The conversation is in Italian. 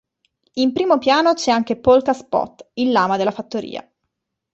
In primo piano c'è anche Polka Spot, il lama della fattoria.